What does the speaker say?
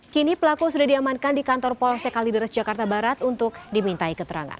kini pelaku sudah diamankan di kantor polsek kalideres jakarta barat untuk dimintai keterangan